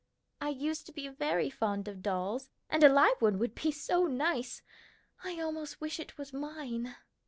"I used to be very fond of dolls, and a live one would be so nice. I almost wish it was mine."